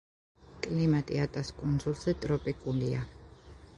კლიმატი ატას კუნძულზე ტროპიკულია.